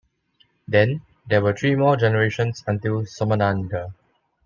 Then, there were three more generations until "Somananda".